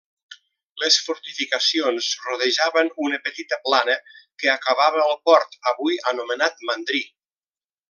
Les fortificacions rodejaven una petita plana que acabava al port, avui anomenat Mandrí.